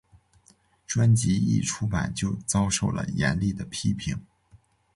专辑一出版就遭受了严厉的批评。